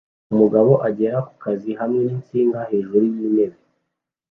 Umugabo agera kukazi hamwe ninsinga hejuru yintebe